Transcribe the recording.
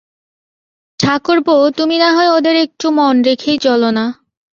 ঠাকুরপো, তুমি নাহয় ওদের একটু মন রেখেই চলো না।